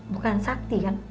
bukan sakti kan